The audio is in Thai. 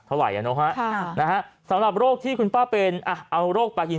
เท่าไหร่อ่ะโน้ทนะสำหรับโรคที่คุณป้าเป็นเอาโรคปากยิน